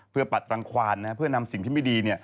เพื่อปัดรังควานเพื่อนำสิ่งที่ไม่ดี